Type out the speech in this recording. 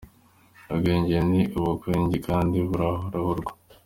Ubwenge ni ubukungi kandi burarahurwa.